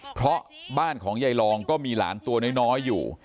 เพราะบ้านของยายรองก็มีหลานตัวน้อยอยู่